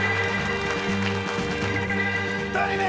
２人目！